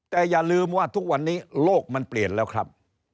แต่อย่าลืมว่าทุกวันนี้โลกมันเปลี่ยนแล้วครับ